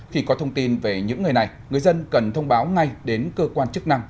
khi có thông tin về những người này người dân cần thông báo ngay đến cơ quan chức năng